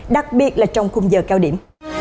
đặc biệt là trong khung giờ cao điểm